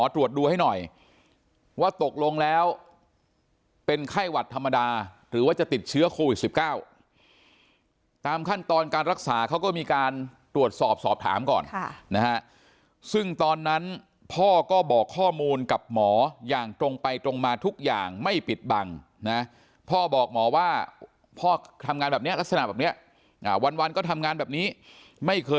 ตรวจดูให้หน่อยว่าตกลงแล้วเป็นไข้หวัดธรรมดาหรือว่าจะติดเชื้อโควิด๑๙ตามขั้นตอนการรักษาเขาก็มีการตรวจสอบสอบถามก่อนนะฮะซึ่งตอนนั้นพ่อก็บอกข้อมูลกับหมออย่างตรงไปตรงมาทุกอย่างไม่ปิดบังนะพ่อบอกหมอว่าพ่อทำงานแบบนี้ลักษณะแบบนี้วันก็ทำงานแบบนี้ไม่เคย